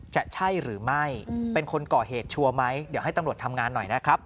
จะใช่หรือไม่เป็นคนก่อเหตุชัวร์ไหมเดี๋ยวให้ตำรวจทำงานหน่อยนะครับ